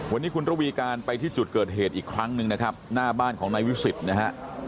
วันนี้คุณระวีการไปที่จุดเกิดเหตุอีกครั้งหนึ่งนะครับหน้าบ้านของนายวิสิทธิ์นะฮะ